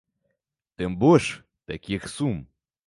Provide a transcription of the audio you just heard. Тым больш, такіх сум.